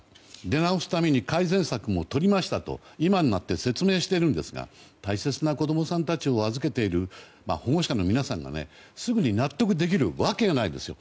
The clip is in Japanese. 出直すために改善策も取りましたと今になって説明しているんですが大切な子供さんたちを預けている保護者の皆さんがすぐに納得できるわけがないですよ。